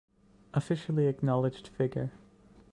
Officially acknowledged figure.